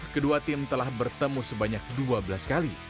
kedua tim telah bertemu sebanyak dua belas kali